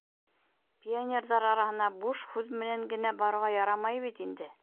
Пионерҙар араһына буш һүҙ менән генә барырға ярамай бит инде.